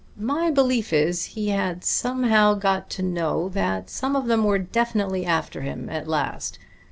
My belief is that he had somehow got to know that some of them were definitely after him at last.